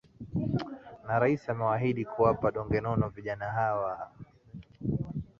na rais amewaahidi kuwapa donge nono vijana hawa